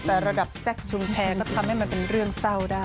แต่ระดับแซคชุมแพรก็ทำให้มันเป็นเรื่องเศร้าได้